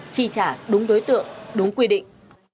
tri trả đúng đối tượng đúng quy định